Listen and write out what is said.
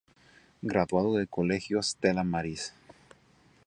Graduado del Colegio Stella Maris.